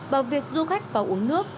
và việc du khách vào uống nước